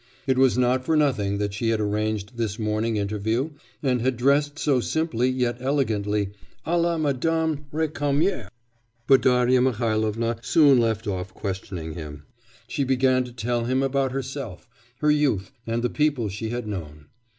It was not for nothing that she had arranged this morning interview, and had dressed so simply yet elegantly a la Madame Récamier! But Darya Mihailovna soon left off questioning him. She began to tell him about herself, her youth, and the people she had known.